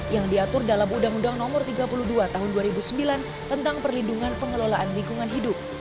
yang diatur dalam undang undang no tiga puluh dua tahun dua ribu sembilan tentang perlindungan pengelolaan lingkungan hidup